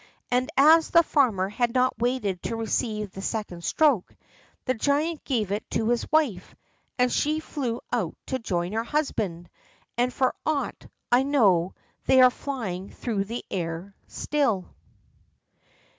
And as the farmer had not waited to receive the second stroke, the giant gave it to his wife, and she flew out to join her husband, and for aught I know they are flying through the air still.